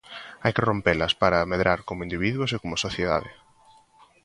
Hai que rompelas para medrar como individuos e como sociedade.